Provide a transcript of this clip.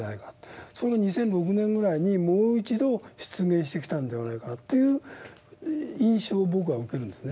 それが２００６年ぐらいにもう一度出現してきたんではないかなという印象を僕は受けるんですね。